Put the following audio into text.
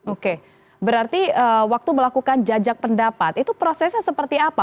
oke berarti waktu melakukan jajak pendapat itu prosesnya seperti apa